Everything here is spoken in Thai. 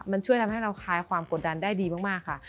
มันช่วยทำให้เราคลายความกดดันได้ดีมากค่ะ